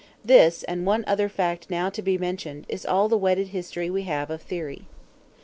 This, and one other fact now to be mentioned, is all the wedded history we have of Thyri.